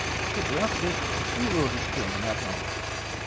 Shortly after this we were ordered to join the Admiral.